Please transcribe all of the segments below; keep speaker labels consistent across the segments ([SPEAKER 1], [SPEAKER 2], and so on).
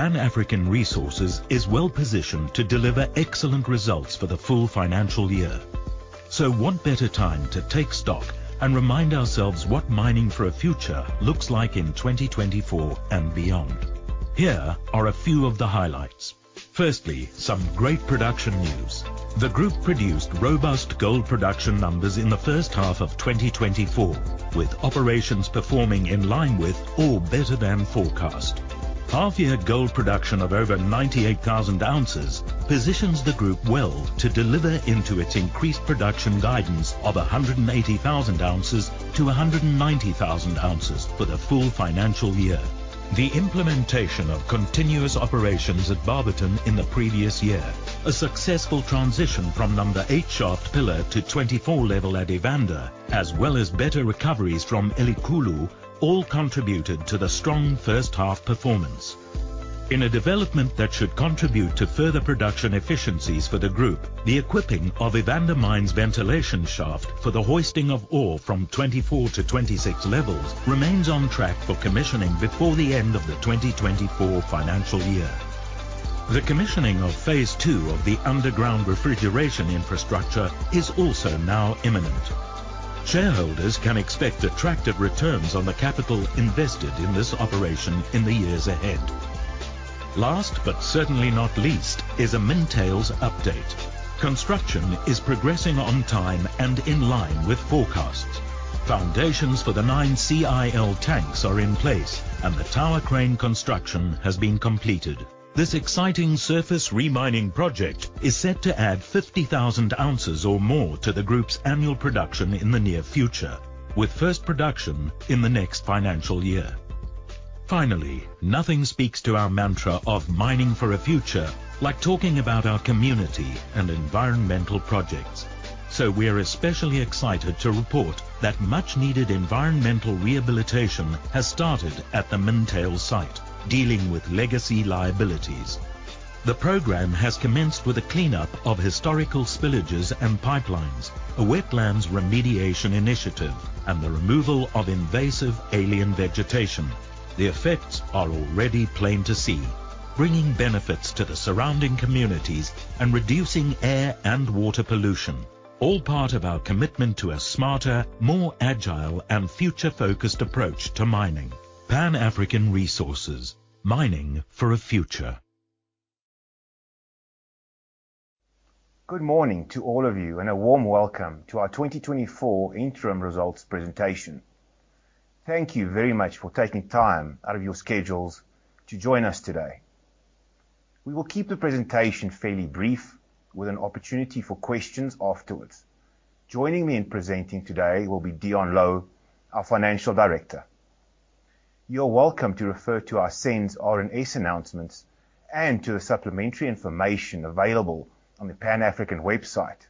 [SPEAKER 1] Pan African Resources is well positioned to deliver excellent results for the full financial year, so what better time to take stock and remind ourselves what mining for a future looks like in 2024 and beyond. Here are a few of the highlights. Firstly, some great production news. The group produced robust gold production numbers in the first half of 2024, with operations performing in line with or better than forecast. Half-year gold production of over 98,000 ounces positions the group well to deliver into its increased production guidance of 180,000-190,000 ounces for the full financial year. The implementation of continuous operations at Barberton in the previous year, a successful transition from number 8 Shaft pillar to 24 level at Evander, as well as better recoveries from Elikhulu, all contributed to the strong first-half performance. In a development that should contribute to further production efficiencies for the group, the equipping of Evander Mines' ventilation shaft for the hoisting of ore from 24 to 26 levels remains on track for commissioning before the end of the 2024 financial year. The commissioning of phase II of the underground refrigeration infrastructure is also now imminent. Shareholders can expect attractive returns on the capital invested in this operation in the years ahead. Last but certainly not least is a Mintails update. Construction is progressing on time and in line with forecasts. Foundations for the nine CIL tanks are in place, and the tower crane construction has been completed. This exciting surface remining project is set to add 50,000 ounces or more to the group's annual production in the near future, with first production in the next financial year. Finally, nothing speaks to our mantra of "Mining for a Future" like talking about our community and environmental projects, so we're especially excited to report that much-needed environmental rehabilitation has started at the Mintails site, dealing with legacy liabilities. The program has commenced with a cleanup of historical spillages and pipelines, a wetlands remediation initiative, and the removal of invasive alien vegetation. The effects are already plain to see, bringing benefits to the surrounding communities and reducing air and water pollution, all part of our commitment to a smarter, more agile, and future-focused approach to mining. Pan African Resources: Mining for a Future.
[SPEAKER 2] Good morning to all of you and a warm welcome to our 2024 interim results presentation. Thank you very much for taking time out of your schedules to join us today. We will keep the presentation fairly brief with an opportunity for questions afterwards. Joining me in presenting today will be Deon Louw, our Financial Director. You're welcome to refer to our SENS announcements and to the supplementary information available on the Pan African website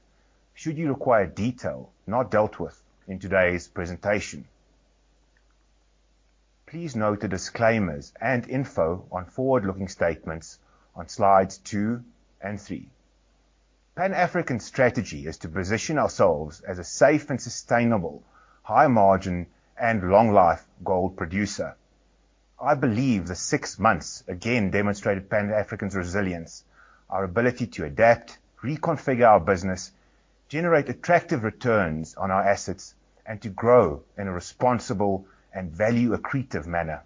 [SPEAKER 2] should you require detail not dealt with in today's presentation. Please note the disclaimers and info on forward-looking statements on slides two and three. Pan African's strategy is to position ourselves as a safe and sustainable, high-margin, and long-life gold producer. I believe the six months again demonstrated Pan African's resilience, our ability to adapt, reconfigure our business, generate attractive returns on our assets, and to grow in a responsible and value-accretive manner.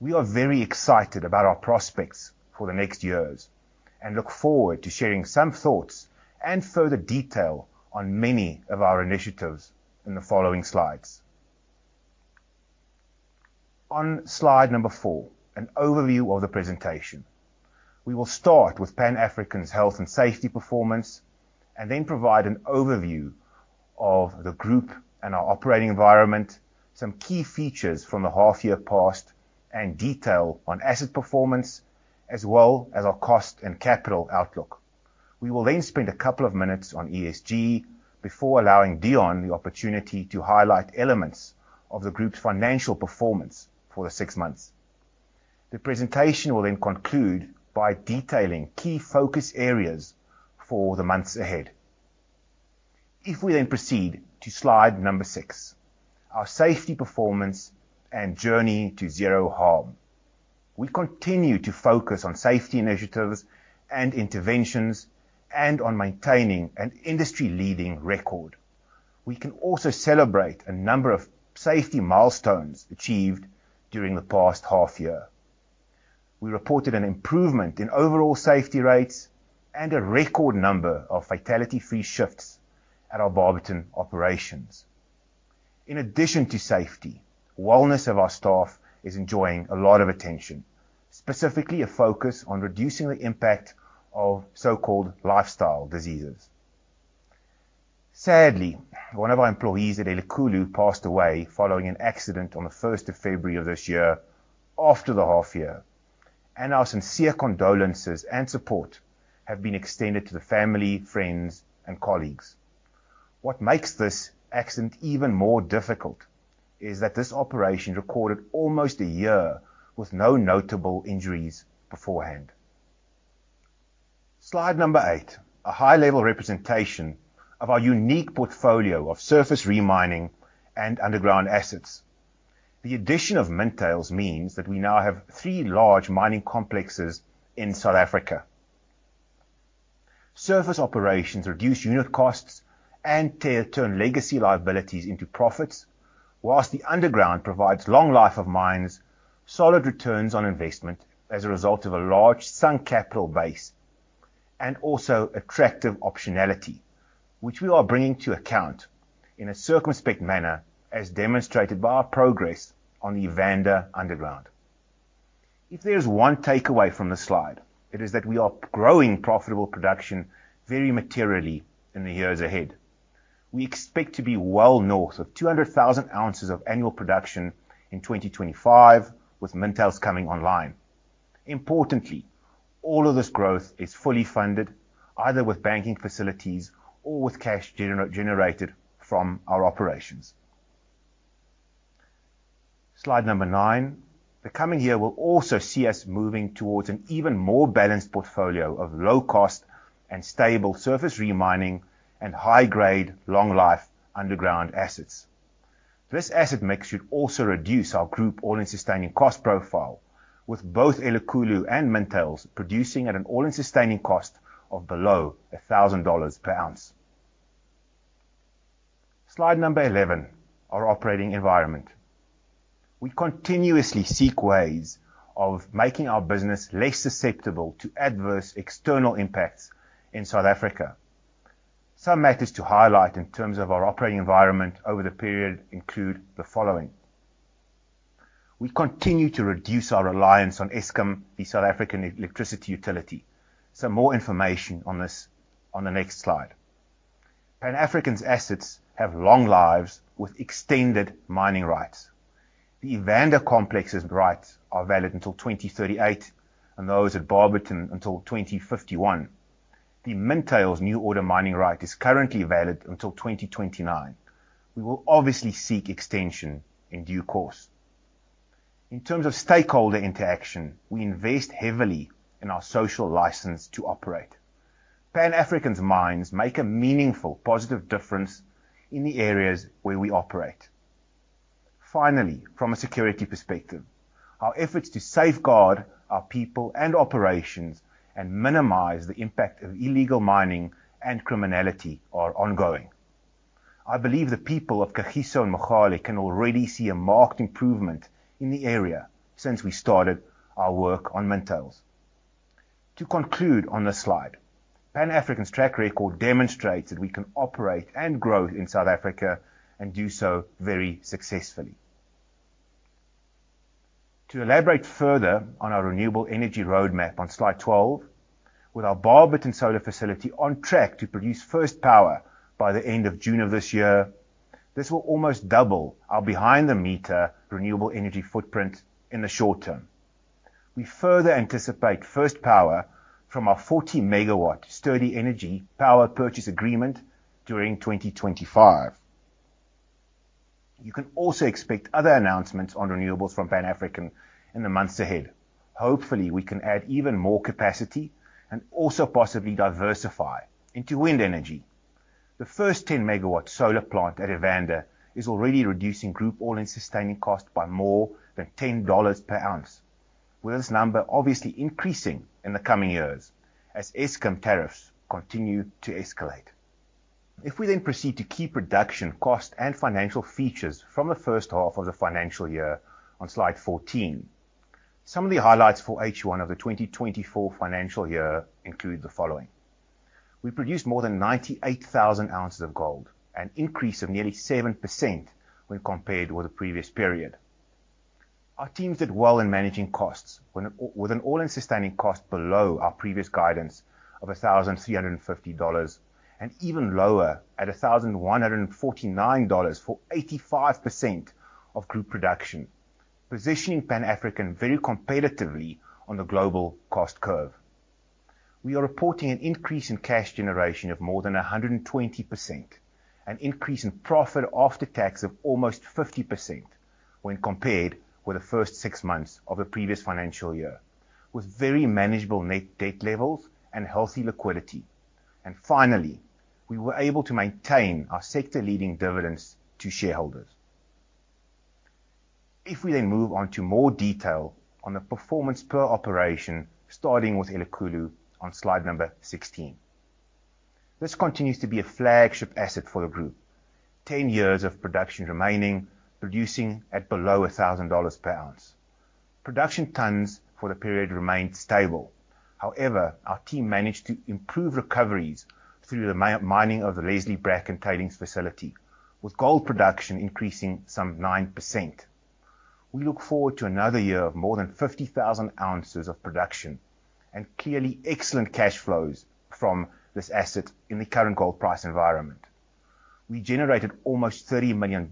[SPEAKER 2] We are very excited about our prospects for the next years and look forward to sharing some thoughts and further detail on many of our initiatives in the following slides. On slide number four, an overview of the presentation. We will start with Pan African's health and safety performance and then provide an overview of the group and our operating environment, some key features from the half-year past, and detail on asset performance as well as our cost and capital outlook. We will then spend a couple of minutes on ESG before allowing Deon the opportunity to highlight elements of the group's financial performance for the six months. The presentation will then conclude by detailing key focus areas for the months ahead. If we then proceed to slide number six, our safety performance and journey to zero harm. We continue to focus on safety initiatives and interventions and on maintaining an industry-leading record. We can also celebrate a number of safety milestones achieved during the past half-year. We reported an improvement in overall safety rates and a record number of fatality-free shifts at our Barberton operations. In addition to safety, wellness of our staff is enjoying a lot of attention, specifically a focus on reducing the impact of so-called lifestyle diseases. Sadly, one of our employees at Elikhulu passed away following an accident on the February 1st of this year after the half-year, and our sincere condolences and support have been extended to the family, friends, and colleagues. What makes this accident even more difficult is that this operation recorded almost a year with no notable injuries beforehand. Slide eight, a high-level representation of our unique portfolio of surface remining and underground assets. The addition of Mintails means that we now have three large mining complexes in South Africa. Surface operations reduce unit costs and turn legacy liabilities into profits, while the underground provides long life of mines, solid returns on investment as a result of a large sunk capital base, and also attractive optionality, which we are bringing to account in a circumspect manner as demonstrated by our progress on the Evander underground. If there is one takeaway from this slide, it is that we are growing profitable production very materially in the years ahead. We expect to be well north of 200,000 ounces of annual production in 2025 with Mintails coming online. Importantly, all of this growth is fully funded, either with banking facilities or with cash generated from our operations. Slide number nine, ithe coming year will also see us moving towards an even more balanced portfolio of low-cost and stable surface remining and high-grade, long-life underground assets. This asset mix should also reduce our group all-in sustaining cost profile, with both Elikhulu and Mintails producing at an all-in sustaining cost of below $1,000 per ounce. Slide number 11, our operating environment. We continuously seek ways of making our business less susceptible to adverse external impacts in South Africa. Some matters to highlight in terms of our operating environment over the period include the following. We continue to reduce our reliance on Eskom, the South African electricity utility. Some more information on this on the next slide. Pan African's assets have long lives with extended mining rights. The Evander complex's rights are valid until 2038 and those at Barberton until 2051. The Mintails new order mining right is currently valid until 2029. We will obviously seek extension in due course. In terms of stakeholder interaction, we invest heavily in our social license to operate. Pan African's mines make a meaningful, positive difference in the areas where we operate. Finally, from a security perspective, our efforts to safeguard our people and operations and minimize the impact of illegal mining and criminality are ongoing. I believe the people of Kagiso and Mogale can already see a marked improvement in the area since we started our work on Mintails. To conclude on this slide, Pan African's track record demonstrates that we can operate and grow in South Africa and do so very successfully. To elaborate further on our renewable energy roadmap on slide 12, with our Barberton solar facility on track to produce first power by the end of June of this year, this will almost double our behind-the-meter renewable energy footprint in the short term. We further anticipate first power from our 40 MW. Sturdee Energy power purchase agreement during 2025. You can also expect other announcements on renewables from Pan African in the months ahead. Hopefully, we can add even more capacity and also possibly diversify into wind energy. The first 10 MW solar plant at Evander is already reducing group oil and sustaining cost by more than $10 per ounce, with this number obviously increasing in the coming years as Eskom tariffs continue to escalate. If we then proceed to key production cost and financial features from the first half of the financial year on slide 14, some of the highlights for H1 of the 2024 financial year include the following. We produced more than 98,000 ounces of gold, an increase of nearly 7% when compared with the previous period. Our teams did well in managing costs with an all-in sustaining cost below our previous guidance of $1,350 and even lower at $1,149 for 85% of group production, positioning Pan African very competitively on the global cost curve. We are reporting an increase in cash generation of more than 120%, an increase in profit after tax of almost 50% when compared with the first six months of the previous financial year, with very manageable net debt levels and healthy liquidity. And finally, we were able to maintain our sector-leading dividends to shareholders. If we then move on to more detail on the performance per operation, starting with Elikhulu on slide number 16. This continues to be a flagship asset for the group, 10 years of production remaining, producing at below $1,000 per ounce. Production tons for the period remained stable. However, our team managed to improve recoveries through the mining of the Leslie/Bracken Tailings Facility, with gold production increasing some 9%. We look forward to another year of more than 50,000 ounces of production and clearly excellent cash flows from this asset in the current gold price environment. We generated almost $30 million of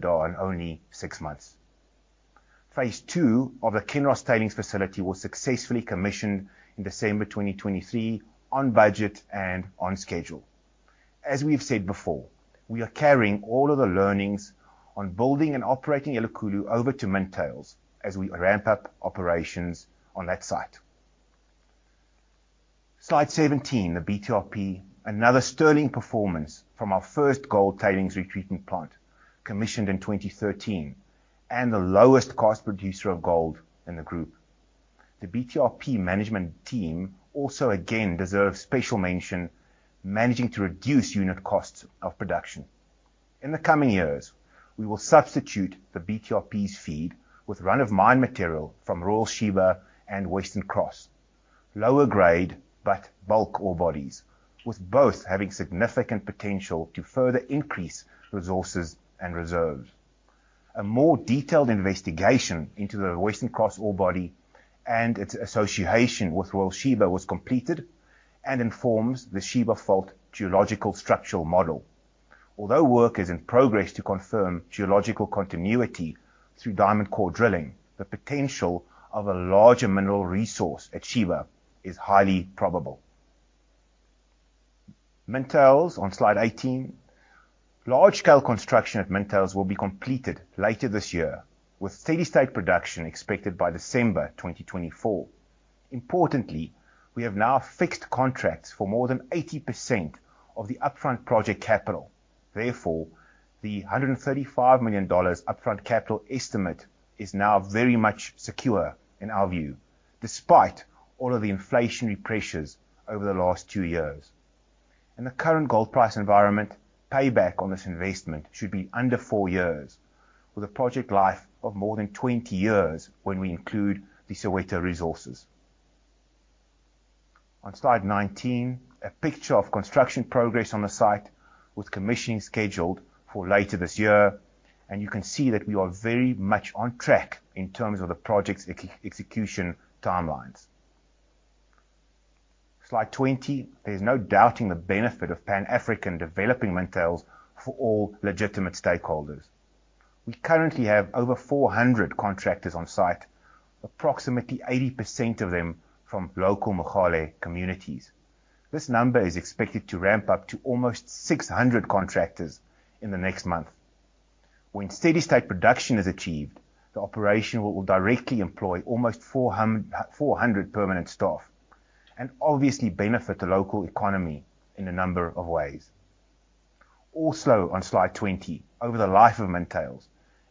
[SPEAKER 2] EBITDA in only six months. Phase II of the Kinross Tailings Facility was successfully commissioned in December 2023 on budget and on schedule. As we have said before, we are carrying all of the learnings on building and operating Elikhulu over to Mintails as we ramp up operations on that site. Slide 17, the BTRP, another sterling performance from our first gold tailings retreatment plant, commissioned in 2013, and the lowest cost producer of gold in the group. The BTRP management team also again deserves special mention, managing to reduce unit costs of production. In the coming years, we will substitute the BTRP's feed with run-of-mine material from Royal Sheba and Western Cross, lower-grade but bulk ore bodies, with both having significant potential to further increase resources and reserves. A more detailed investigation into the Western Cross ore body and its association with Royal Sheba was completed and informs the Sheba Fault geological structural model. Although work is in progress to confirm geological continuity through diamond core drilling, the potential of a larger mineral resource at Sheba is highly probable. Mintails, on slide 18, large-scale construction at Mintails will be completed later this year, with steady-state production expected by December 2024. Importantly, we have now fixed contracts for more than 80% of the upfront project capital. Therefore, the $135 million upfront capital estimate is now very much secure in our view, despite all of the inflationary pressures over the last two years. In the current gold price environment, payback on this investment should be under four years, with a project life of more than 20 years when we include the Soweto resources. On slide 19, a picture of construction progress on the site with commissioning scheduled for later this year. You can see that we are very much on track in terms of the project's execution timelines. Slide 20, there's no doubting the benefit of Pan African developing Mintails for all legitimate stakeholders. We currently have over 400 contractors on site, approximately 80% of them from local Mogale communities. This number is expected to ramp up to almost 600 contractors in the next month. When steady-state production is achieved, the operation will directly employ almost 400 permanent staff and obviously benefit the local economy in a number of ways. Also, on slide 20, over the life of Mintails,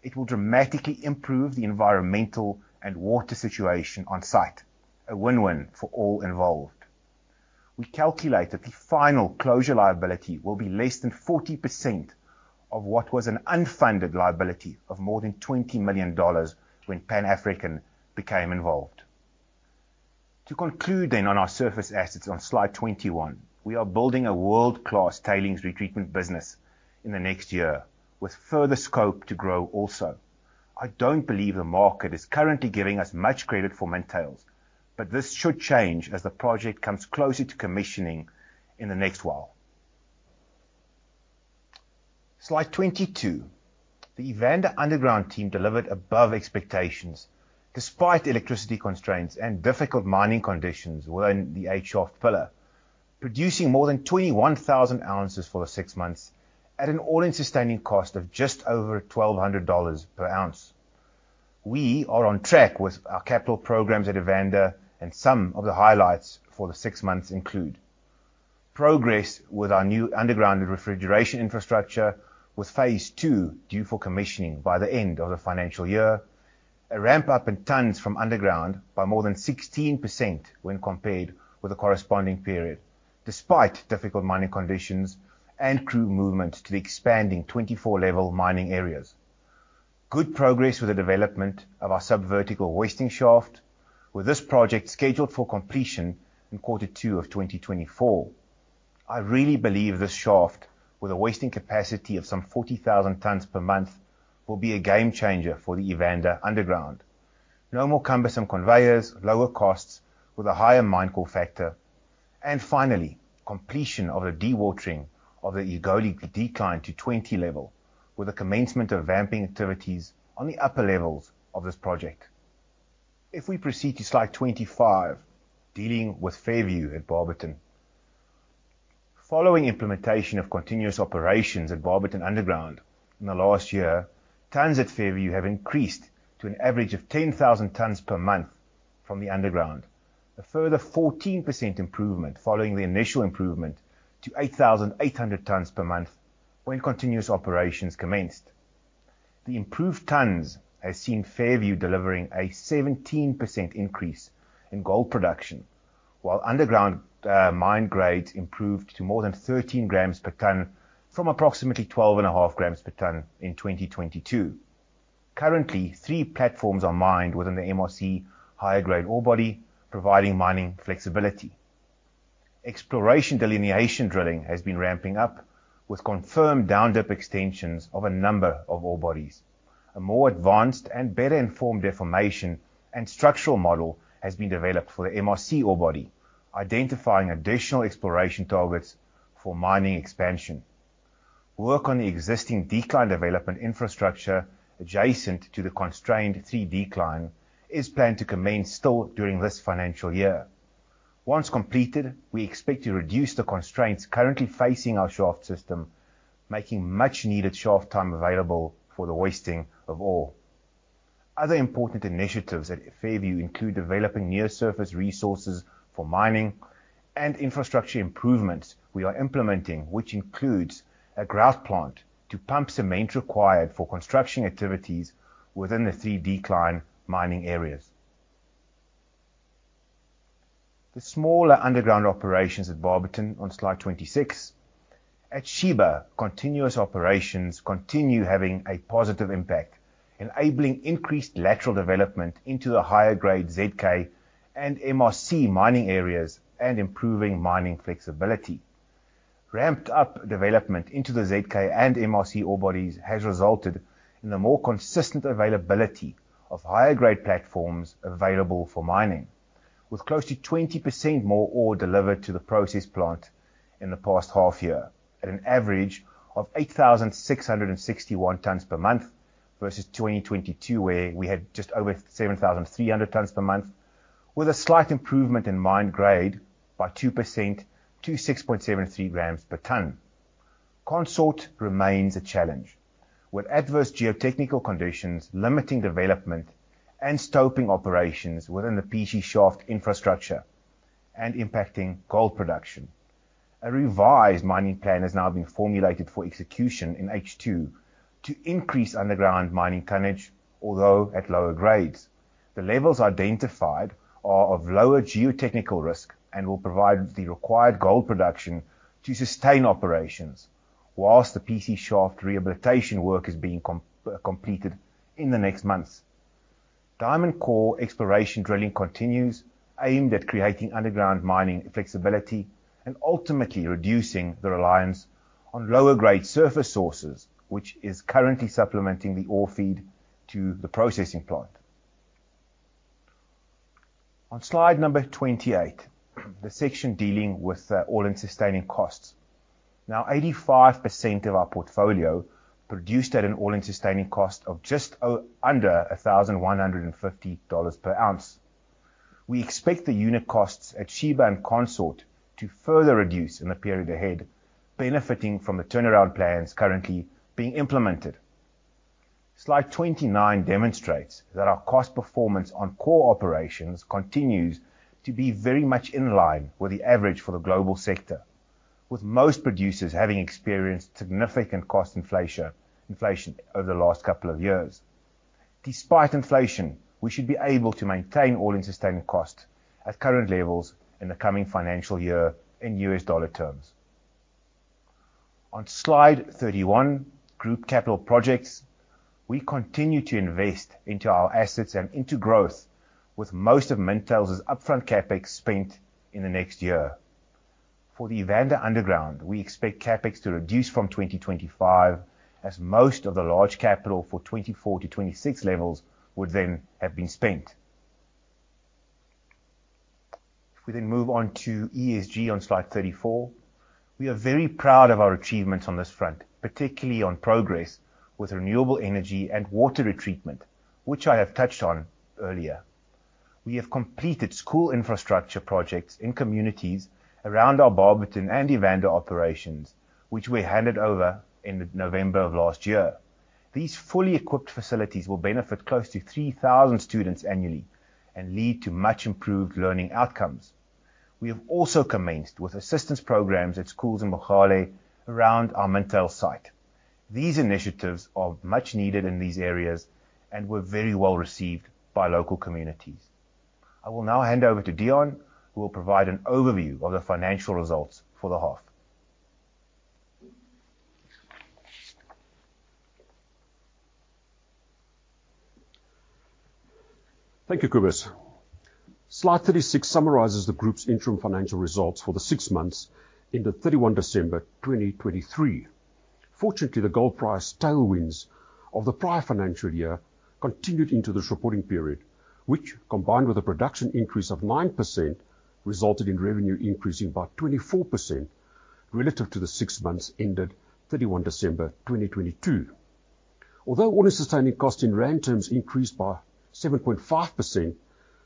[SPEAKER 2] it will dramatically improve the environmental and water situation on site, a win-win for all involved. We calculate that the final closure liability will be less than 40% of what was an unfunded liability of more than $20 million when Pan African became involved. To conclude then on our surface assets on slide 21, we are building a world-class tailings retreatment business in the next year, with further scope to grow also. I don't believe the market is currently giving us much credit for Mintails, but this should change as the project comes closer to commissioning in the next while. Slide 22, the Evander underground team delivered above expectations, despite electricity constraints and difficult mining conditions within the 8 Shaft pillar, producing more than 21,000 ounces for the six months at an all-in sustaining cost of just over $1,200 per ounce. We are on track with our capital programs at Evander, and some of the highlights for the six months include progress with our new underground refrigeration infrastructure, with phase II due for commissioning by the end of the financial year, a ramp-up in tons from underground by more than 16% when compared with the corresponding period, despite difficult mining conditions and crew movement to the expanding 24-level mining areas. Good progress with the development of our subvertical waste shaft, with this project scheduled for completion in quarter 2 of 2024. I really believe this shaft, with a waste capacity of some 40,000 tons per month, will be a game changer for the Evander underground. No more cumbersome conveyors, lower costs with a higher mine core factor. Finally, completion of the dewatering of the Egoli decline to 20 level, with the commencement of ramping activities on the upper levels of this project. If we proceed to slide 25, dealing with Fairview at Barberton, following implementation of continuous operations at Barberton underground in the last year, tons at Fairview have increased to an average of 10,000 tons per month from the underground, a further 14% improvement following the initial improvement to 8,800 tons per month when continuous operations commenced. The improved tons have seen Fairview delivering a 17% increase in gold production, while underground mine grades improved to more than 13 g per ton from approximately 12.5 grams per ton in 2022. Currently, three platforms are mined within the MRC higher-grade ore body, providing mining flexibility. Exploration delineation drilling has been ramping up, with confirmed down dip extensions of a number of ore bodies. A more advanced and better-informed deformation and structural model has been developed for the MRC Ore Body, identifying additional exploration targets for mining expansion. Work on the existing decline development infrastructure adjacent to the constrained 3 Decline is planned to commence still during this financial year. Once completed, we expect to reduce the constraints currently facing our shaft system, making much-needed shaft time available for the waste of ore. Other important initiatives at Fairview include developing near-surface resources for mining and infrastructure improvements we are implementing, which includes a grout plant to pump cement required for construction activities within the 3 Decline mining areas. The smaller underground operations at Barberton on slide 26, at Sheba, continuous operations continue having a positive impact, enabling increased lateral development into the higher-grade ZK and MRC mining areas and improving mining flexibility. Ramped-up development into the ZK and MRC ore bodies has resulted in the more consistent availability of higher-grade platforms available for mining, with close to 20% more ore delivered to the process plant in the past half year, at an average of 8,661 tons per month versus 2022, where we had just over 7,300 tons per month, with a slight improvement in mine grade by 2% to 6.73 grams per ton. Consort remains a challenge, with adverse geotechnical conditions limiting development and stoping operations within the PC shaft infrastructure and impacting gold production. A revised mining plan is now being formulated for execution in H2 to increase underground mining tonnage, although at lower grades. The levels identified are of lower geotechnical risk and will provide the required gold production to sustain operations, whilst the PC shaft rehabilitation work is being completed in the next months. Diamond core exploration drilling continues, aimed at creating underground mining flexibility and ultimately reducing the reliance on lower-grade surface sources, which is currently supplementing the ore feed to the processing plant. On slide number 28, the section dealing with all-in sustaining costs, now 85% of our portfolio produced at an all-in sustaining cost of just under $1,150 per ounce. We expect the unit costs at Sheba and Consort to further reduce in the period ahead, benefiting from the turnaround plans currently being implemented. Slide 29 demonstrates that our cost performance on core operations continues to be very much in line with the average for the global sector, with most producers having experienced significant cost inflation over the last couple of years. Despite inflation, we should be able to maintain all-in sustaining costs at current levels in the coming financial year in U.S. dollar terms. On slide 31, group capital projects, we continue to invest into our assets and into growth, with most of Mintails' upfront CapEx spent in the next year. For the Evander underground, we expect CapEx to reduce from 2025, as most of the large capital for 24-26 levels would then have been spent. If we then move on to ESG on slide 34, we are very proud of our achievements on this front, particularly on progress with renewable energy and water retreatment, which I have touched on earlier. We have completed school infrastructure projects in communities around our Barberton and Evander operations, which were handed over in November of last year. These fully equipped facilities will benefit close to 3,000 students annually and lead to much-improved learning outcomes. We have also commenced with assistance programs at schools in Mogale around our Mintails site. These initiatives are much-needed in these areas and were very well received by local communities. I will now hand over to Deon, who will provide an overview of the financial results for the half.
[SPEAKER 3] Thank you, Cobus. Slide 36 summarizes the group's interim financial results for the six months into 31 December 2023. Fortunately, the gold price tailwinds of the prior financial year continued into this reporting period, which, combined with a production increase of 9%, resulted in revenue increasing by 24% relative to the six months ended December 31 2022. Although all-in sustaining costs in Rand terms increased by 7.5%,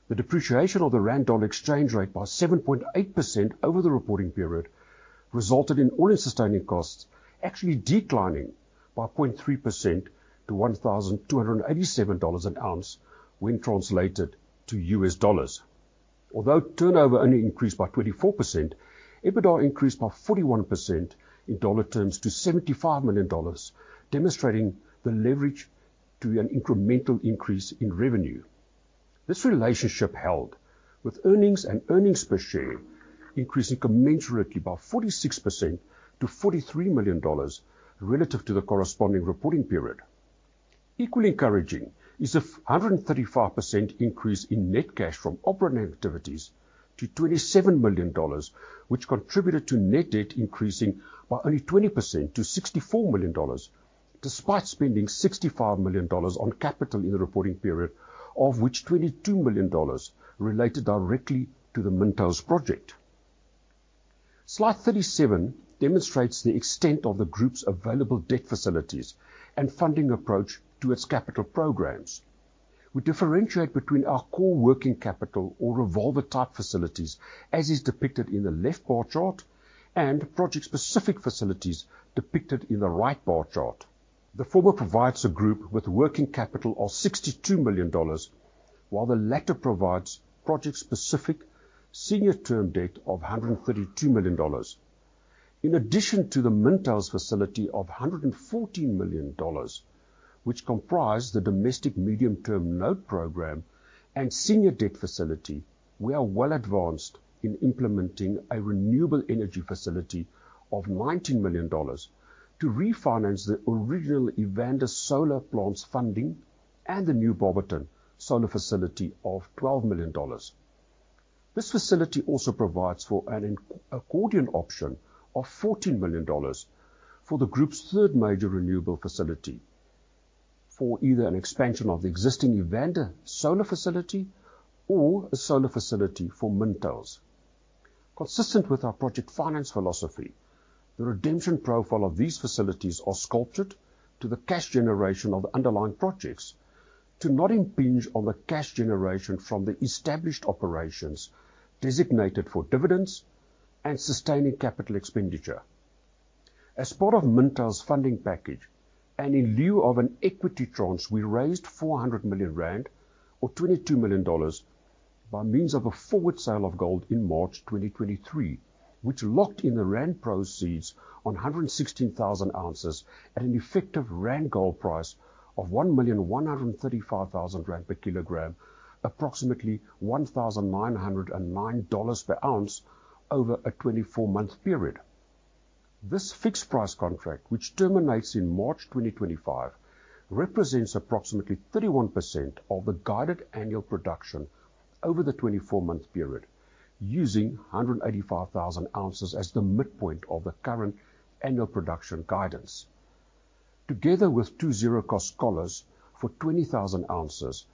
[SPEAKER 3] the depreciation of the Rand-dollar exchange rate by 7.8% over the reporting period resulted in all-in sustaining costs actually declining by 0.3% to $1,287 an ounce when translated to US dollars. Although turnover only increased by 24%, EBITDA increased by 41% in dollar terms to $75 million, demonstrating the leverage to an incremental increase in revenue. This relationship held, with earnings and earnings per share increasing commensurately by 46% to $43 million relative to the corresponding reporting period. Equally encouraging is the 135% increase in net cash from operating activities to $27 million, which contributed to net debt increasing by only 20% to $64 million, despite spending $65 million on capital in the reporting period, of which $22 million related directly to the Mintails project. Slide 37 demonstrates the extent of the group's available debt facilities and funding approach to its capital programs. We differentiate between our core working capital or revolver-type facilities, as is depicted in the left bar chart, and project-specific facilities depicted in the right bar chart. The former provides the group with working capital of $62 million, while the latter provides project-specific senior-term debt of $132 million. In addition to the Mintails facility of $114 million, which comprised the domestic medium-term note program and senior debt facility, we are well advanced in implementing a renewable energy facility of $19 million to refinance the original Evander solar plant's funding and the new Barberton solar facility of $12 million. This facility also provides for an accordion option of $14 million for the group's third major renewable facility, for either an expansion of the existing Evander solar facility or a solar facility for Mintails. Consistent with our project finance philosophy, the redemption profile of these facilities is sculpted to the cash generation of the underlying projects, to not impinge on the cash generation from the established operations designated for dividends and sustaining capital expenditure. As part of Mintails' funding package, and in lieu of an equity tranche, we raised 400 million rand or $22 million by means of a forward sale of gold in March 2023, which locked in the Rand proceeds on 116,000 ounces at an effective Rand gold price of 1,135,000 rand per kg, approximately $1,909 per ounce over a 24-month period. This fixed-price contract, which terminates in March 2025, represents approximately 31% of the guided annual production over the 24-month period, using 185,000 ounces as the midpoint of the current annual production guidance. Together with two zero-cost collars for 20,000 ounces,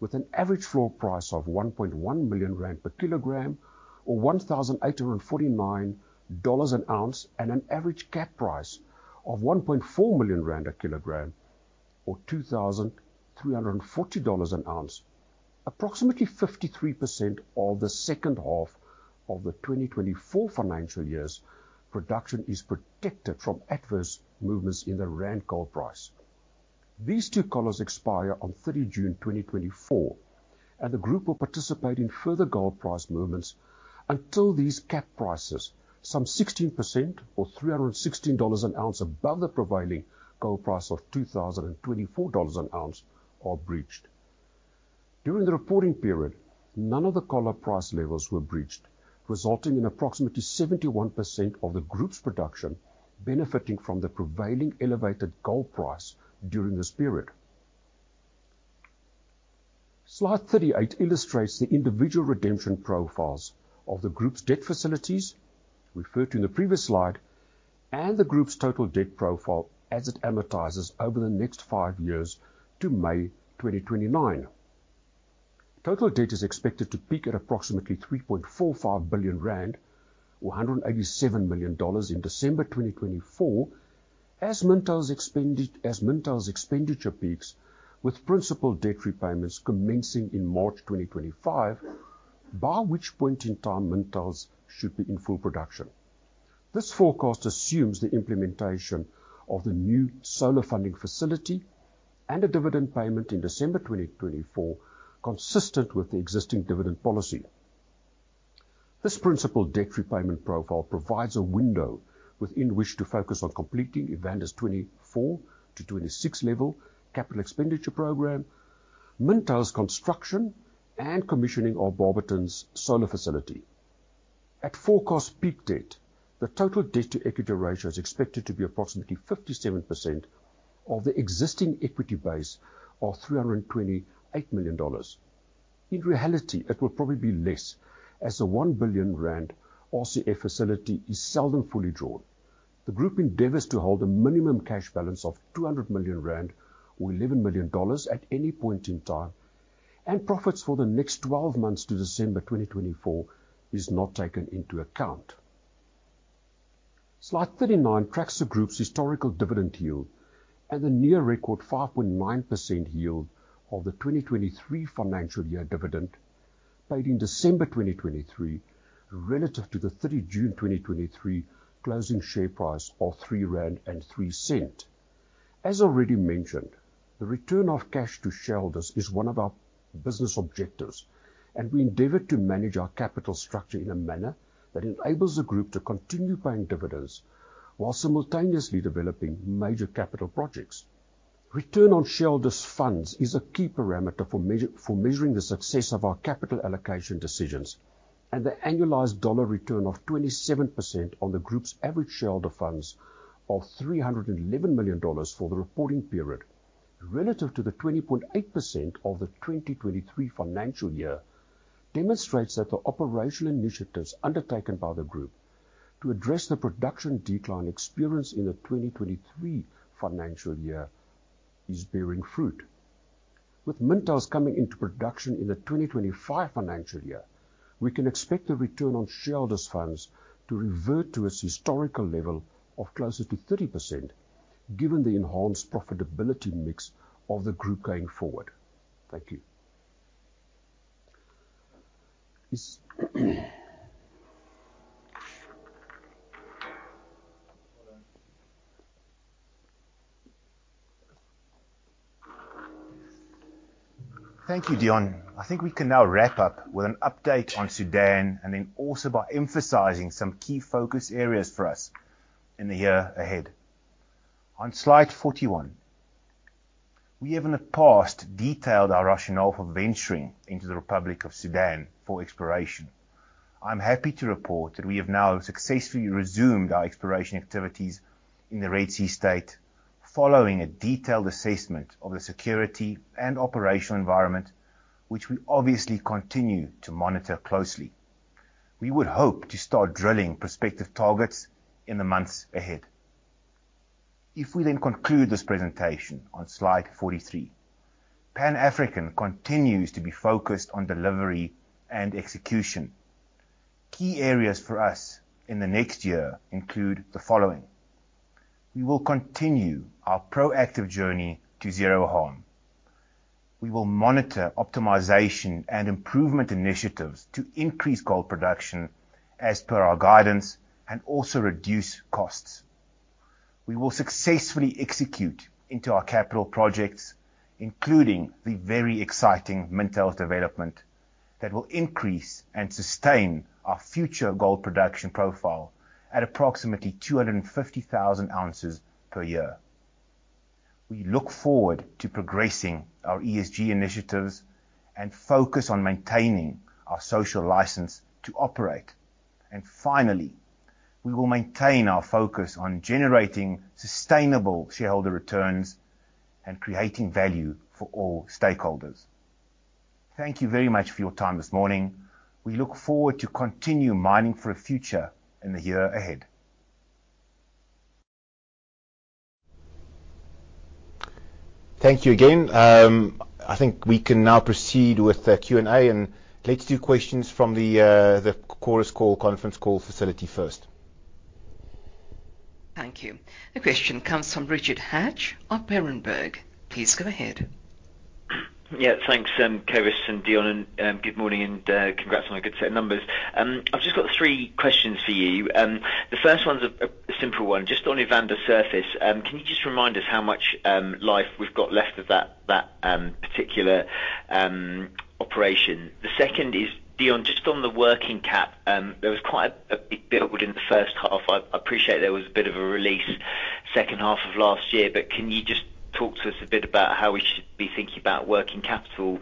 [SPEAKER 3] with an average floor price of 1.1 million rand per kilogram or $1,849 an ounce and an average cap price of 1.4 million rand a kg or $2,340 an ounce, approximately 53% of the second half of the 2024 financial year's production is protected from adverse movements in the Rand gold price. These two collars expire on June 30 2024, and the group will participate in further gold price movements until these cap prices, some 16% or $316 an ounce above the prevailing gold price of $2,024 an ounce, are breached. During the reporting period, none of the collar price levels were breached, resulting in approximately 71% of the group's production benefiting from the prevailing elevated gold price during this period. Slide 38 illustrates the individual redemption profiles of the group's debt facilities, referred to in the previous slide, and the group's total debt profile as it amortizes over the next five years to May 2029. Total debt is expected to peak at approximately 3.45 billion rand or $187 million in December 2024, as Mintails' expenditure peaks, with principal debt repayments commencing in March 2025, by which point in time Mintails should be in full production. This forecast assumes the implementation of the new solar funding facility and a dividend payment in December 2024 consistent with the existing dividend policy. This principal debt repayment profile provides a window within which to focus on completing Evander's 24-26 level capital expenditure program, Mintails' construction, and commissioning of Barberton's solar facility. At forecast peak debt, the total debt-to-equity ratio is expected to be approximately 57% of the existing equity base of $328 million. In reality, it will probably be less, as the 1 billion rand RCF facility is seldom fully drawn. The group endeavors to hold a minimum cash balance of 200 million rand or $11 million at any point in time, and profits for the next 12 months to December 2024 are not taken into account. Slide 39 tracks the group's historical dividend yield and the near-record 5.9% yield of the 2023 financial year dividend paid in December 2023 relative to the June 30 2023 closing share price of 3.03 rand. As already mentioned, the return of cash to shareholders is one of our business objectives, and we endeavor to manage our capital structure in a manner that enables the group to continue paying dividends while simultaneously developing major capital projects. Return on shareholders' funds is a key parameter for measuring the success of our capital allocation decisions, and the annualized dollar return of 27% on the group's average shareholder funds of $311 million for the reporting period relative to the 20.8% of the 2023 financial year demonstrates that the operational initiatives undertaken by the group to address the production decline experienced in the 2023 financial year are bearing fruit. With Mintails coming into production in the 2025 financial year, we can expect the return on shareholders' funds to revert to its historical level of closer to 30%, given the enhanced profitability mix of the group going forward. Thank you.
[SPEAKER 2] Thank you, Deon. I think we can now wrap up with an update on Sudan and then also by emphasizing some key focus areas for us in the year ahead. On slide 41, we have in the past detailed our rationale for venturing into the Republic of Sudan for exploration. I'm happy to report that we have now successfully resumed our exploration activities in the Red Sea State, following a detailed assessment of the security and operational environment, which we obviously continue to monitor closely. We would hope to start drilling prospective targets in the months ahead. If we then conclude this presentation on slide 43, Pan African continues to be focused on delivery and execution. Key areas for us in the next year include the following: We will continue our proactive journey to zero harm. We will monitor optimization and improvement initiatives to increase gold production as per our guidance and also reduce costs. We will successfully execute into our capital projects, including the very exciting Mintails development, that will increase and sustain our future gold production profile at approximately 250,000 ounces per year. We look forward to progressing our ESG initiatives and focus on maintaining our social license to operate. Finally, we will maintain our focus on generating sustainable shareholder returns and creating value for all stakeholders. Thank you very much for your time this morning. We look forward to continuing mining for the future in the year ahead. Thank you again. I think we can now proceed with the Q&A, and let's do questions from the Chorus Call conference call facility first.
[SPEAKER 1] Thank you. The question comes from Richard Hatch of Berenberg. Please go ahead.
[SPEAKER 4] Yeah, thanks, Cobus and Deon. Good morning and congrats on a good set of numbers. I've just got three questions for you. The first one's a simple one, just on Evander surface. Can you just remind us how much life we've got left of that particular operation? The second is, Deon, just on the working cap, there was quite a bit built within the first half. I appreciate there was a bit of a release second half of last year, but can you just talk to us a bit about how we should be thinking about working capital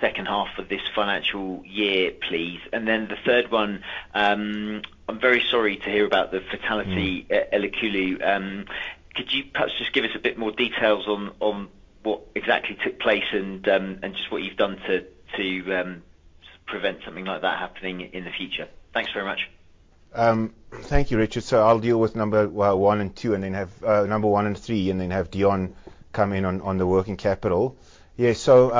[SPEAKER 4] second half of this financial year, please? And then the third one, I'm very sorry to hear about the fatality at Elikhulu. Could you perhaps just give us a bit more details on what exactly took place and just what you've done to prevent something like that happening in the future? Thanks very much.
[SPEAKER 2] Thank you, Richard. So I'll deal with number one and two, and then have number one and three, and then have Deon come in on the working capital. Yeah, so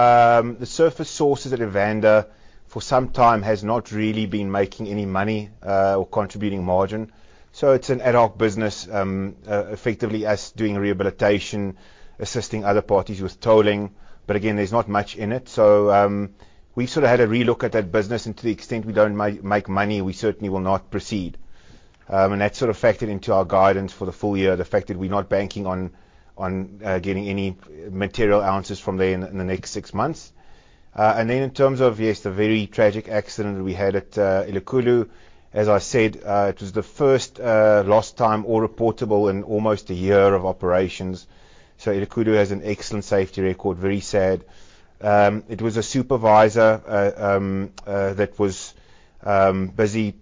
[SPEAKER 2] the surface sources at Evander for some time have not really been making any money or contributing margin. So it's an ad hoc business, effectively us doing rehabilitation, assisting other parties with towing. But again, there's not much in it. So we've sort of had a relook at that business, and to the extent we don't make money, we certainly will not proceed. And that's sort of factored into our guidance for the full year, the fact that we're not banking on getting any material ounces from there in the next six months. And then in terms of, yes, the very tragic accident that we had at Elikhulu, as I said, it was the first lost time all reportable in almost a year of operations. So Elikhulu has an excellent safety record, very sad. It was a supervisor that was busy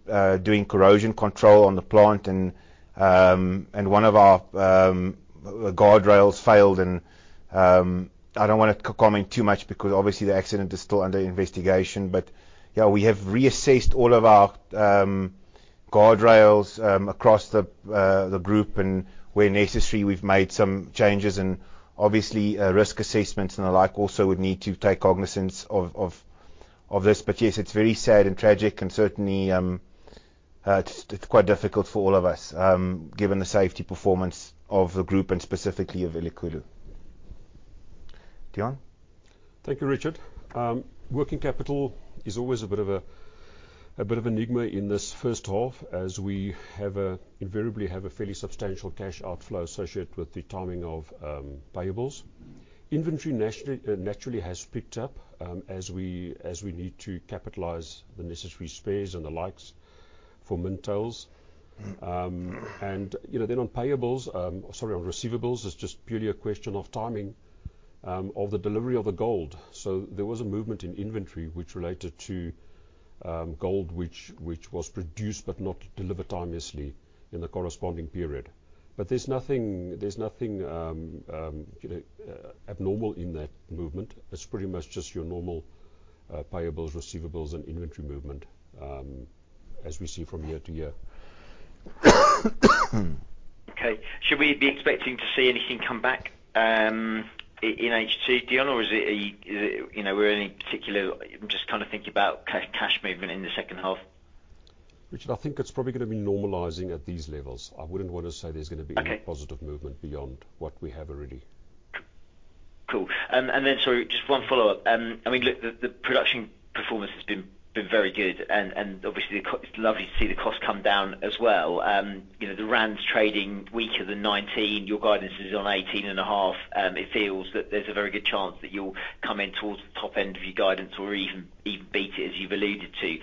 [SPEAKER 2] doing corrosion control on the plant, and one of our guardrails failed. I don't want to comment too much because obviously the accident is still under investigation. But yeah, we have reassessed all of our guardrails across the group, and where necessary, we've made some changes. Obviously, risk assessments and the like also would need to take cognizance of this. But yes, it's very sad and tragic, and certainly it's quite difficult for all of us, given the safety performance of the group and specifically of Elikhulu. Deon?
[SPEAKER 3] Thank you, Richard. Working capital is always a bit of an enigma in this first half, as we invariably have a fairly substantial cash outflow associated with the timing of payables. Inventory naturally has picked up as we need to capitalize the necessary spares and the likes for Mintails. And then on payables, sorry, on receivables, it's just purely a question of timing of the delivery of the gold. So there was a movement in inventory which related to gold which was produced but not delivered timely in the corresponding period. But there's nothing abnormal in that movement. It's pretty much just your normal payables, receivables, and inventory movement as we see from year to year.
[SPEAKER 4] Okay. Should we be expecting to see anything come back in H2, Deon, or is it were there any particular? I'm just kind of thinking about cash movement in the second half.
[SPEAKER 3] Richard, I think it's probably going to be normalizing at these levels. I wouldn't want to say there's going to be any positive movement beyond what we have already.
[SPEAKER 4] Cool. And then sorry, just one follow-up. I mean, look, the production performance has been very good, and obviously it's lovely to see the cost come down as well. The rand's trading weaker than 19. Your guidance is on 18.5. It feels that there's a very good chance that you'll come in towards the top end of your guidance or even beat it, as you've alluded to.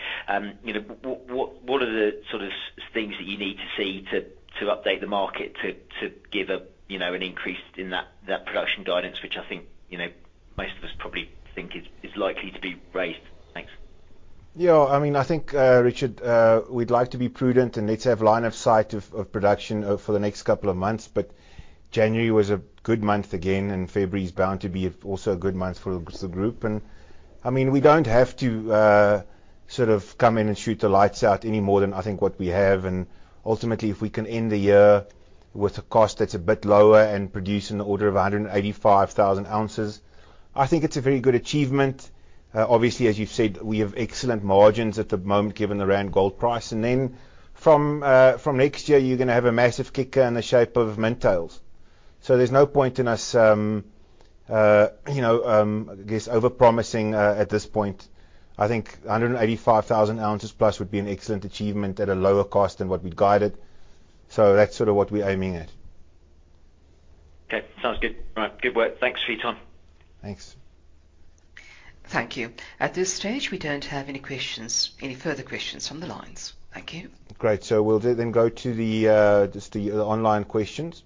[SPEAKER 4] What are the sort of things that you need to see to update the market to give an increase in that production guidance, which I think most of us probably think is likely to be raised? Thanks.
[SPEAKER 2] Yeah, I mean, I think, Richard, we'd like to be prudent and let's have line of sight of production for the next couple of months. But January was a good month again, and February is bound to be also a good month for the group. And I mean, we don't have to sort of come in and shoot the lights out any more than I think what we have. And ultimately, if we can end the year with a cost that's a bit lower and produce in the order of 185,000 ounces, I think it's a very good achievement. Obviously, as you've said, we have excellent margins at the moment given the Rand gold price. And then from next year, you're going to have a massive kicker in the shape of Mintails. So there's no point in us, I guess, overpromising at this point. I think 185,000 ounces plus would be an excellent achievement at a lower cost than what we'd guided. So that's sort of what we're aiming at.
[SPEAKER 4] Okay. Sounds good. All right. Good work. Thanks for your time.
[SPEAKER 2] Thanks.
[SPEAKER 1] Thank you. At this stage, we don't have any further questions from the lines. Thank you.
[SPEAKER 2] Great. We'll then go to the online questions.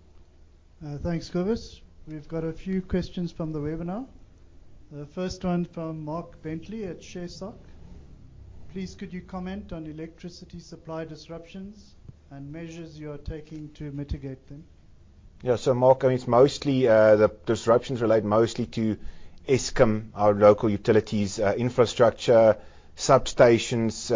[SPEAKER 5] Thanks, Cobus. We've got a few questions from the webinar. The first one from Mark Memory at ShareSoc. Please, could you comment on electricity supply disruptions and measures you're taking to mitigate them?
[SPEAKER 2] Yeah, so Mark, I mean, it's mostly the disruptions relate mostly to Eskom, our local utilities infrastructure, substations,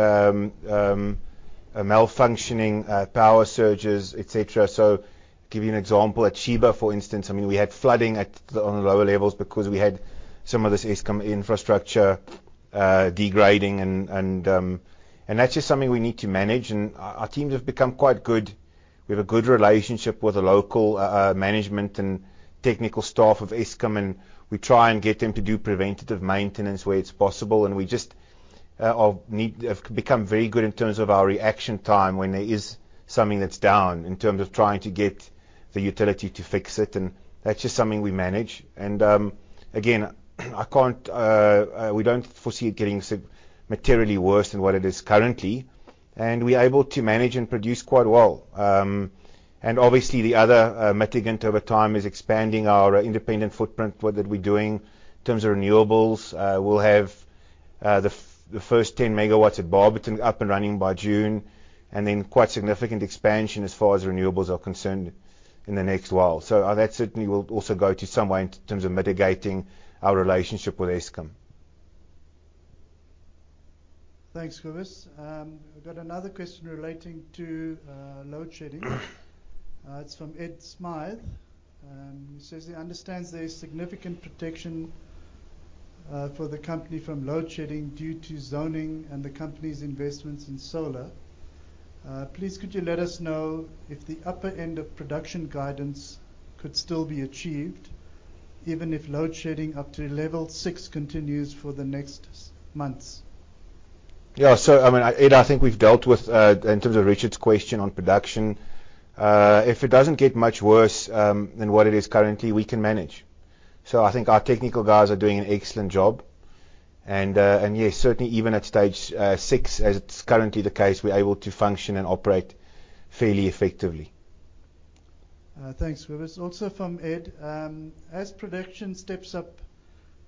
[SPEAKER 2] malfunctioning power surges, etc. So to give you an example, at Sheba, for instance, I mean, we had flooding on the lower levels because we had some of this Eskom infrastructure degrading. And that's just something we need to manage. Our teams have become quite good. We have a good relationship with the local management and technical staff of Eskom, and we try and get them to do preventative maintenance where it's possible. We just have become very good in terms of our reaction time when there is something that's down in terms of trying to get the utility to fix it. That's just something we manage. Again, we don't foresee it getting materially worse than what it is currently. We're able to manage and produce quite well. Obviously, the other mitigant over time is expanding our independent footprint, what we're doing in terms of renewables. We'll have the first 10 MW at Barberton up and running by June, and then quite significant expansion as far as renewables are concerned in the next while. So that certainly will also go some way in terms of mitigating our relationship with Eskom.
[SPEAKER 5] Thanks, Cobus. We've got another question relating to load shedding. It's from Ed Gillespie. He says he understands there's significant protection for the company from load shedding due to zoning and the company's investments in solar. Please, could you let us know if the upper end of production guidance could still be achieved even if load shedding up to level 6 continues for the next months?
[SPEAKER 2] Yeah, so I mean, Ed, I think we've dealt with in terms of Richard's question on production, if it doesn't get much worse than what it is currently, we can manage. So I think our technical guys are doing an excellent job. And yes, certainly even at stage six, as it's currently the case, we're able to function and operate fairly effectively.
[SPEAKER 5] Thanks, Cobus. Also from Ed, as production steps up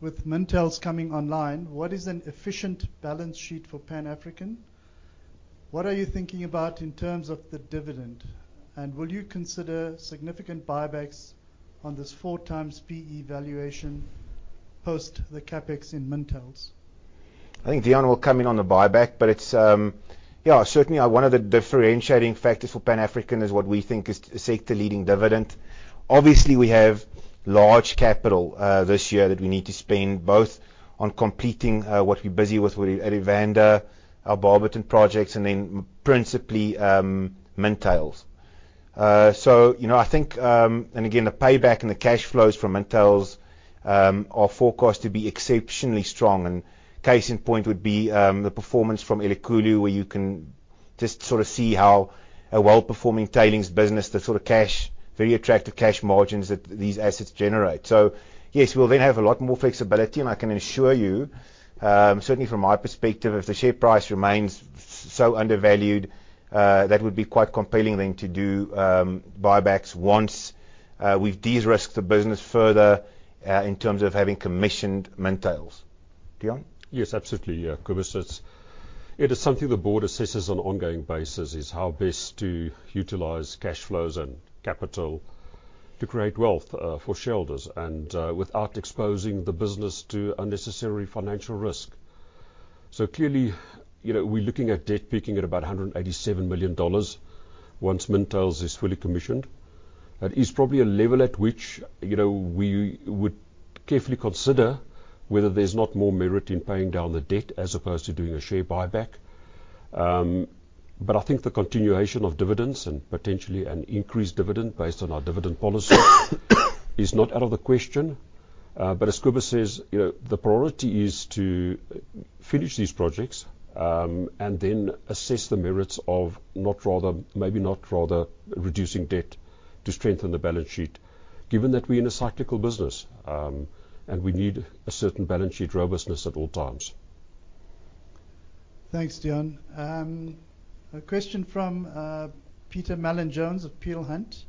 [SPEAKER 5] with Mintails coming online, what is an efficient balance sheet for Pan African? What are you thinking about in terms of the dividend? And will you consider significant buybacks on this four-times P/E valuation post the CapEx in Mintails?
[SPEAKER 2] I think Deon will come in on the buyback, but yeah, certainly one of the differentiating factors for Pan African is what we think is the sector-leading dividend. Obviously, we have large capital this year that we need to spend both on completing what we're busy with at Evander, our Barberton projects, and then principally Mintails. So I think, and again, the payback and the cash flows from Mintails are forecast to be exceptionally strong. And case in point would be the performance from Elikhulu, where you can just sort of see how a well-performing tailings business, the sort of cash, very attractive cash margins that these assets generate. So yes, we'll then have a lot more flexibility, and I can assure you, certainly from my perspective, if the share price remains so undervalued, that would be quite compelling then to do buybacks once we've de-risked the business further in terms of having commissioned Mintails. Deon?
[SPEAKER 3] Yes, absolutely. Yeah, Cobus, it is something the board assesses on an ongoing basis, is how best to utilize cash flows and capital to create wealth for shareholders without exposing the business to unnecessary financial risk. So clearly, we're looking at debt peaking at about $187 million once Mintails is fully commissioned. That is probably a level at which we would carefully consider whether there's not more merit in paying down the debt as opposed to doing a share buyback. But I think the continuation of dividends and potentially an increased dividend based on our dividend policy is not out of the question. But as Cobus says, the priority is to finish these projects and then assess the merits of maybe not rather reducing debt to strengthen the balance sheet, given that we're in a cyclical business and we need a certain balance sheet robustness at all times.
[SPEAKER 5] Thanks, Deon. A question from Peter Mallin-Jones of Peel Hunt,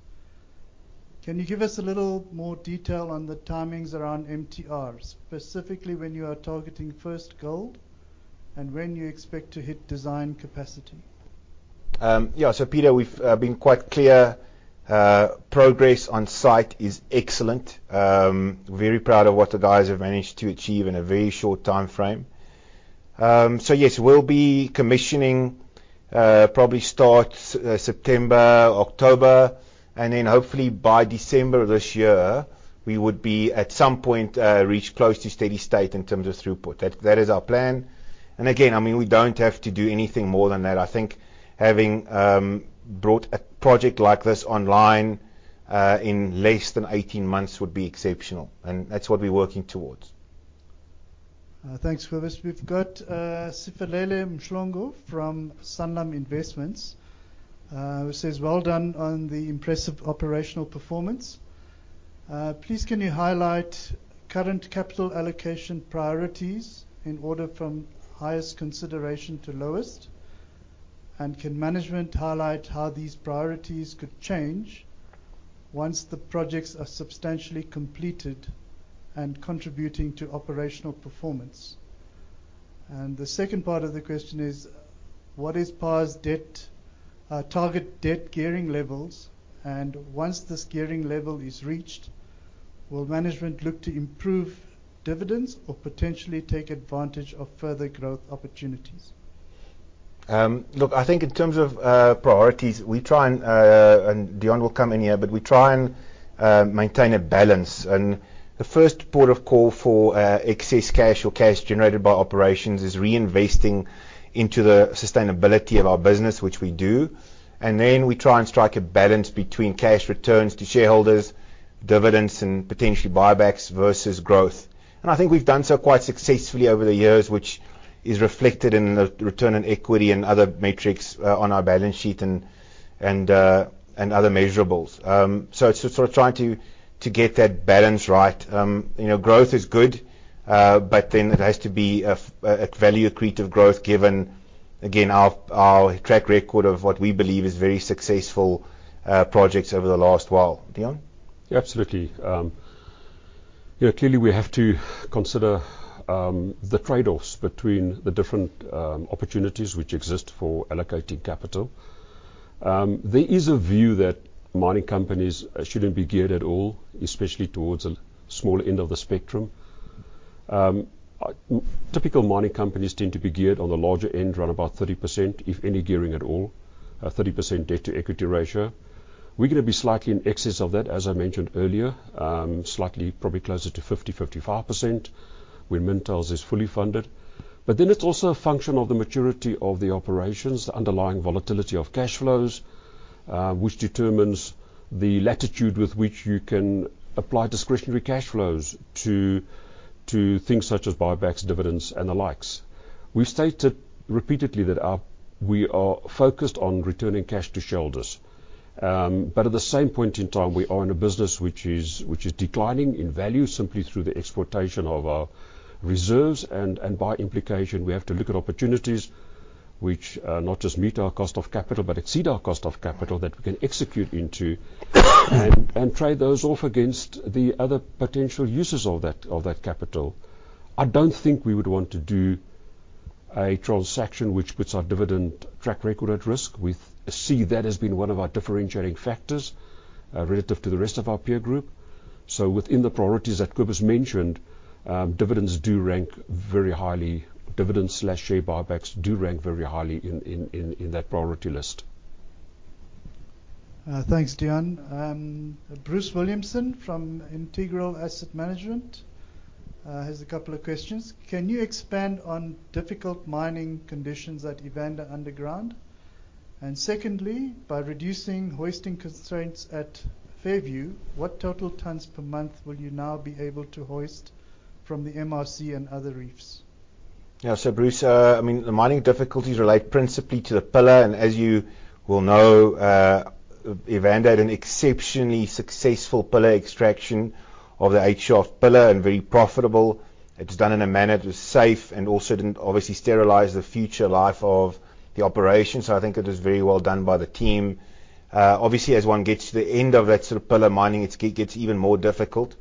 [SPEAKER 5] "Can you give us a little more detail on the timings around MTR, specifically when you are targeting first gold and when you expect to hit design capacity?
[SPEAKER 2] Yeah, so Peter, we've been quite clear. Progress on site is excellent. Very proud of what the guys have managed to achieve in a very short time frame. So yes, we'll be commissioning, probably start September, October. And then hopefully by December of this year, we would be at some point reached close to steady state in terms of throughput. That is our plan. And again, I mean, we don't have to do anything more than that. I think having brought a project like this online in less than 18 months would be exceptional, and that's what we're working towards.
[SPEAKER 5] Thanks, Cobus. We've got Sifiso Mhlongo from Sanlam Investments, who says, "Well done on the impressive operational performance. Please, can you highlight current capital allocation priorities in order from highest consideration to lowest? And can management highlight how these priorities could change once the projects are substantially completed and contributing to operational performance?" And the second part of the question is, "What is PAR's target debt gearing levels? And once this gearing level is reached, will management look to improve dividends or potentially take advantage of further growth opportunities?
[SPEAKER 2] Look, I think in terms of priorities, we try and Deon will come in here, but we try and maintain a balance. And the first port of call for excess cash or cash generated by operations is reinvesting into the sustainability of our business, which we do. And then we try and strike a balance between cash returns to shareholders, dividends, and potentially buybacks versus growth. And I think we've done so quite successfully over the years, which is reflected in the return on equity and other metrics on our balance sheet and other measurables. So it's sort of trying to get that balance right. Growth is good, but then it has to be a value accretive growth given, again, our track record of what we believe is very successful projects over the last while. Deon?
[SPEAKER 3] Yeah, absolutely. Clearly, we have to consider the trade-offs between the different opportunities which exist for allocating capital. There is a view that mining companies shouldn't be geared at all, especially towards the small end of the spectrum. Typical mining companies tend to be geared on the larger end, run about 30%, if any gearing at all, 30% debt to equity ratio. We're going to be slightly in excess of that, as I mentioned earlier, slightly probably closer to 50%-55% when Mintails is fully funded. But then it's also a function of the maturity of the operations, the underlying volatility of cash flows, which determines the latitude with which you can apply discretionary cash flows to things such as buybacks, dividends, and the likes. We've stated repeatedly that we are focused on returning cash to shareholders. But at the same point in time, we are in a business which is declining in value simply through the exploitation of our reserves. And by implication, we have to look at opportunities which not just meet our cost of capital, but exceed our cost of capital that we can execute into and trade those off against the other potential uses of that capital. I don't think we would want to do a transaction which puts our dividend track record at risk. We see that has been one of our differentiating factors relative to the rest of our peer group. So within the priorities that Cobus mentioned, dividends do rank very highly. Dividends/share buybacks do rank very highly in that priority list.
[SPEAKER 5] Thanks, Deon. Bruce Williamson from Integral Asset Management has a couple of questions. "Can you expand on difficult mining conditions at Evander Underground? And secondly, by reducing hoisting constraints at Fairview, what total tons per month will you now be able to hoist from the MRC and other reefs?
[SPEAKER 2] Yeah, so Bruce, I mean, the mining difficulties relate principally to the pillar. As you will know, Evander had an exceptionally successful pillar extraction of the 8 Shaft pillar and very profitable. It was done in a manner that was safe and also didn't obviously sterilize the future life of the operation. So I think it was very well done by the team. Obviously, as one gets to the end of that sort of pillar mining, it gets even more difficult.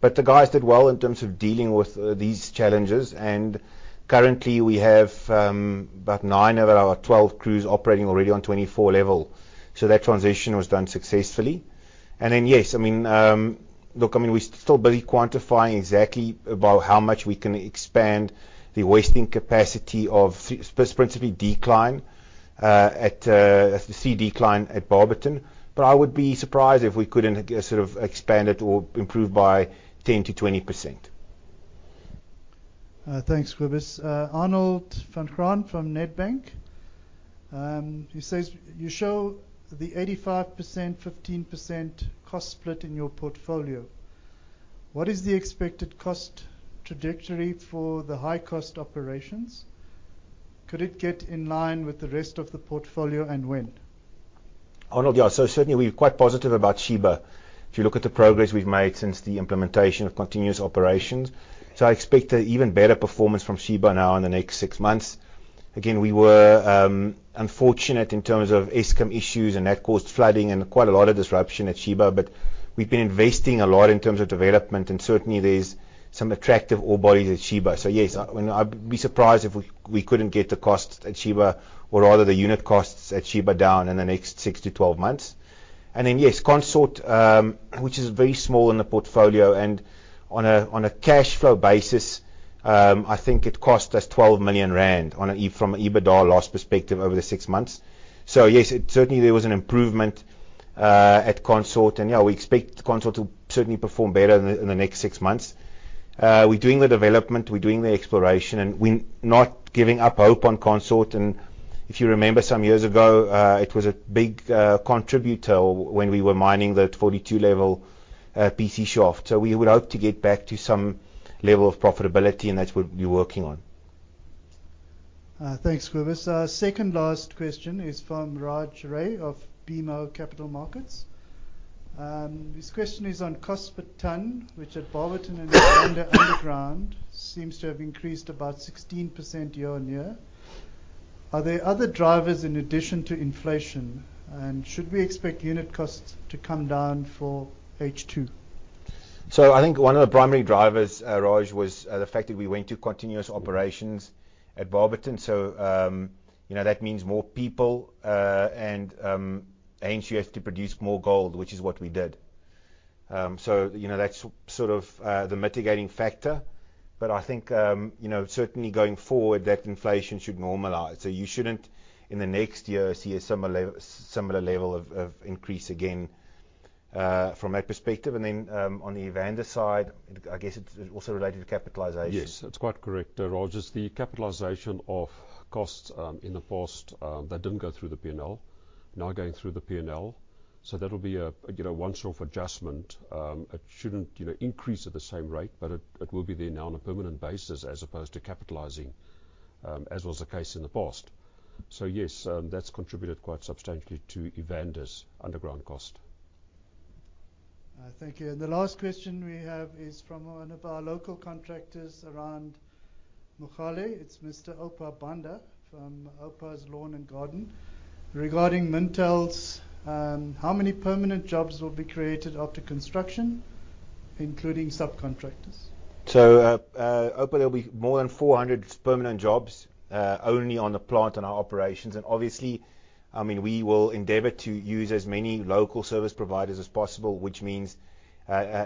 [SPEAKER 2] But the guys did well in terms of dealing with these challenges. And currently, we have about nine out of our 12 crews operating already on 24 level. So that transition was done successfully. And then yes, I mean, look, I mean, we're still busy quantifying exactly about how much we can expand the hoisting capacity of principally the decline, the MRC decline at Barberton. I would be surprised if we couldn't sort of expand it or improve by 10%-20%.
[SPEAKER 5] Thanks, Cobus. Arnold van Graan from Nedbank, he says, "You show the 85%, 15% cost split in your portfolio. What is the expected cost trajectory for the high-cost operations? Could it get in line with the rest of the portfolio and when?
[SPEAKER 2] Arnold, yeah, so certainly we're quite positive about Sheba. If you look at the progress we've made since the implementation of continuous operations, so I expect an even better performance from Sheba now in the next six months. Again, we were unfortunate in terms of Eskom issues, and that caused flooding and quite a lot of disruption at Sheba. But we've been investing a lot in terms of development, and certainly there's some attractive ore bodies at Sheba. So yes, I mean, I'd be surprised if we couldn't get the costs at Sheba or rather the unit costs at Sheba down in the next six to 12 months. And then yes, Consort, which is very small in the portfolio and on a cash flow basis, I think it cost us 12 million rand from an EBITDA loss perspective over the six months. Yes, certainly there was an improvement at Consort. Yeah, we expect Consort to certainly perform better in the next six months. We're doing the development. We're doing the exploration. We're not giving up hope on Consort. If you remember some years ago, it was a big contributor when we were mining the 42-level PC Shaft. We would hope to get back to some level of profitability, and that's what we're working on.
[SPEAKER 5] Thanks, Cobus. Second-last question is from Raj Ray of BMO Capital Markets. This question is on cost per ton, which at Barberton and Evander Underground seems to have increased about 16% year-on-year. "Are there other drivers in addition to inflation, and should we expect unit costs to come down for H2?
[SPEAKER 2] So I think one of the primary drivers, Raj, was the fact that we went to continuous operations at Barberton. So that means more people, and hence you have to produce more gold, which is what we did. So that's sort of the mitigating factor. But I think certainly going forward, that inflation should normalize. So you shouldn't in the next year see a similar level of increase again from that perspective. And then on the Evander side, I guess it's also related to capitalization.
[SPEAKER 3] Yes, that's quite correct, Raj, is the capitalization of costs in the past that didn't go through the P&L now going through the P&L. So that'll be a one-off adjustment. It shouldn't increase at the same rate, but it will be there now on a permanent basis as opposed to capitalizing as was the case in the past. So yes, that's contributed quite substantially to Evander's underground cost.
[SPEAKER 5] Thank you. And the last question we have is from one of our local contractors around Mogale. It's Mr. Opa Banda from Opa's Lawn and Garden regarding Mintails, "How many permanent jobs will be created after construction, including subcontractors?
[SPEAKER 2] So hopefully, there'll be more than 400 permanent jobs only on the plant and our operations. Obviously, I mean, we will endeavor to use as many local service providers as possible, which means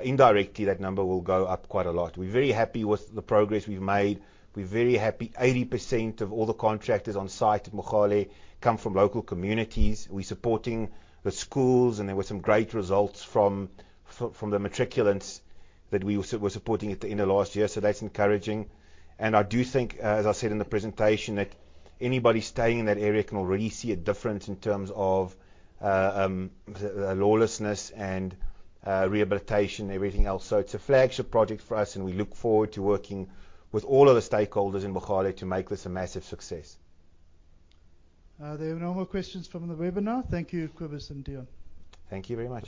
[SPEAKER 2] indirectly, that number will go up quite a lot. We're very happy with the progress we've made. We're very happy 80% of all the contractors on site at Mogale come from local communities. We're supporting the schools, and there were some great results from the matriculants that we were supporting at the end of last year. So that's encouraging. And I do think, as I said in the presentation, that anybody staying in that area can already see a difference in terms of lawlessness and rehabilitation, everything else. So it's a flagship project for us, and we look forward to working with all of the stakeholders in Mogale to make this a massive success.
[SPEAKER 5] There are no more questions from the webinar. Thank you, Cobus and Deon.
[SPEAKER 2] Thank you very much.